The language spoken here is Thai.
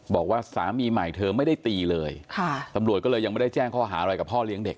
บอกว่าสามีใหม่เธอไม่ได้ตีเลยค่ะตำรวจก็เลยยังไม่ได้แจ้งข้อหาอะไรกับพ่อเลี้ยงเด็ก